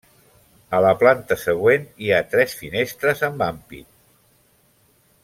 A la planta següent hi ha tres finestres amb ampit.